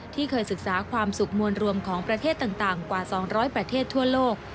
ที่เคยศึกษาความสุขมวลรวมของประเทศต่างกว่า๒๐๐ประเทศทั่วโลก